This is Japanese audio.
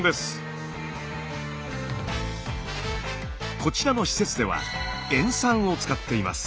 こちらの施設では塩酸を使っています。